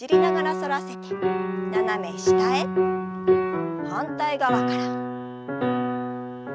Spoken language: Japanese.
反対側から。